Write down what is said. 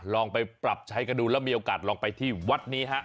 ลองไปปรับใช้กันดูแล้วมีโอกาสลองไปที่วัดนี้ฮะ